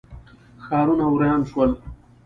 ښارونه ویران شول.